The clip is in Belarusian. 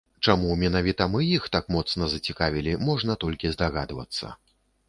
Чаму менавіта мы іх так моцна зацікавілі можна толькі здагадвацца.